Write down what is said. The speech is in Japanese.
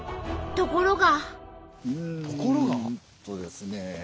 ところが。